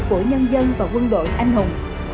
của nhân dân và quân đội anh hùng